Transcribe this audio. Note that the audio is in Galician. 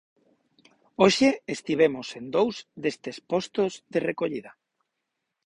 Hoxe estivemos en dous destes posto de recollida.